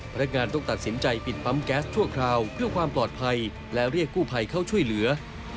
พนักงานต้องตัดสินใจปิดปั๊มแก๊สชั่วคราวเพื่อความปลอดภัยและเรียกกู้ภัยเข้าช่วยเหลือ